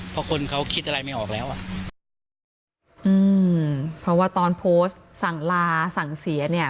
เพราะคนเขาคิดอะไรไม่ออกแล้วอ่ะอืมเพราะว่าตอนโพสต์สั่งลาสั่งเสียเนี่ย